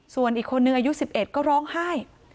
ส่วนอีกคนนึงอายุ๑๑ก็ร้องไห้